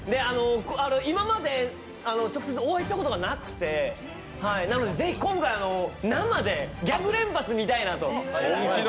今まで直接お会いしたことがなくてなので、ぜひ今回、生でギャグ連発見たいなと。